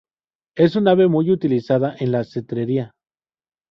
Es un ave muy utilizada en la cetrería.